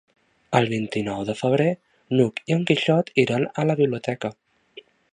El vint-i-nou de febrer n'Hug i en Quixot iran a la biblioteca.